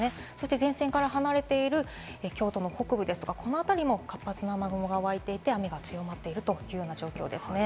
前線から離れている京都の北部なども活発な雨雲が湧いていて、雨が強まっている状況です。